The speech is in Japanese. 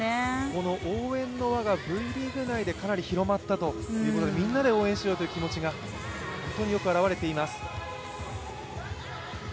この応援の輪がＶリーグ内でかなり広がったということで、みんなで応援しようという気持ちが本当によく表れています。